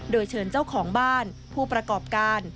โดยเชิญเจ้าของบ้านผู้ประกอบการ